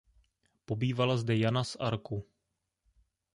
Pobývala zde Jana z Arku.